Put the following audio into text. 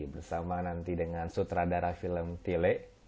bersama nanti dengan sutradara film tile